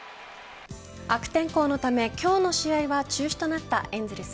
悪天候のため今日の試合は中止となったエンゼルス。